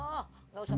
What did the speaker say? gak usah berbicara